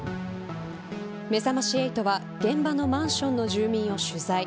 めざまし８は現場のマンションの住民を取材。